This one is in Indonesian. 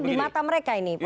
tapi itu di mata mereka ini